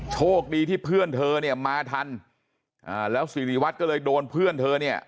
โชคดีที่เพื่อนเธอเนี่ยมาทันอ่าแล้วสิริวัตรก็เลยโดนเพื่อนเธอเนี่ย